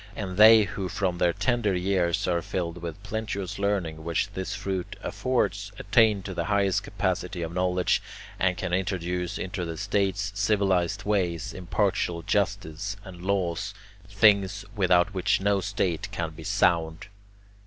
And they who from their tender years are filled with the plenteous learning which this fruit affords, attain to the highest capacity of knowledge, and can introduce into their states civilized ways, impartial justice, and laws, things without which no state can be sound.